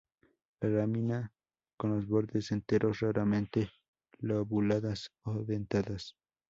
La lámina con los bordes enteros, raramente lobuladas o dentadas.